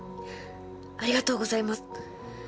ありがとうございます。